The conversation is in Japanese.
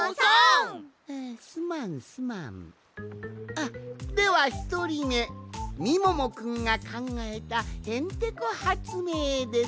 あっではひとりめみももくんがかんがえたへんてこはつめいです。